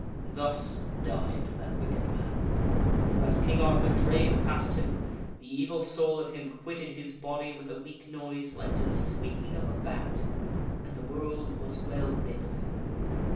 Thus died that wicked man, for as King Arthur drave past him, the evil soul of him quitted his body with a weak noise like to the squeaking of a bat, and the world was well rid of him.